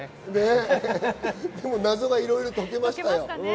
謎がいろいろ解けました。